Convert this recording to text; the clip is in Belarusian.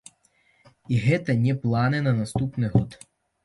І гэта не планы на наступны год!